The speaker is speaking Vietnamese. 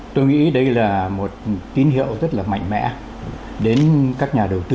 tôi nghĩ đây là một tín hiệu rất là mạnh mẽ đến các nhà đầu tư